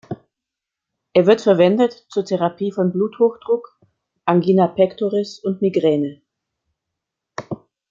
Er wird verwendet zur Therapie von Bluthochdruck, Angina pectoris und Migräne.